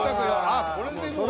ああこれでもう。